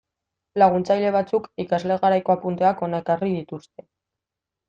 Laguntzaile batzuk ikasle garaiko apunteak hona ekarri dituzte.